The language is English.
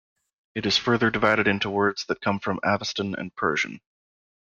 It is further divided into words that come from Avestan and Persian.